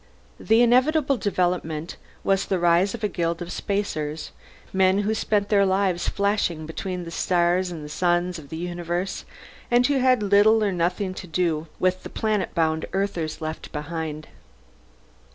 The inevitable development was the rise of a guild of Spacers, men who spent their lives flashing between the suns of the universe and who had little or nothing to do with the planet bound Earthers left behind.